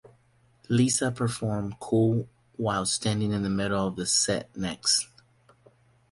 Lipa performed "Cool" while standing in the middle of the set next.